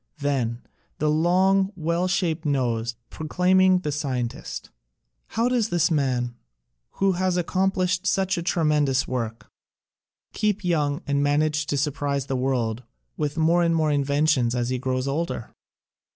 Then the long, well shaped nose, proclaiming the scientist. How does this man, who has accomplished such a tremendous work, keep young and manage to surprise the world with more and more new inventions as he grows older?